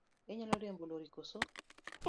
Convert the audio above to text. Inyalo riembo lori koso?